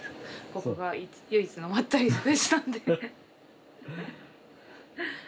ここが唯一のまったりスペースなんで。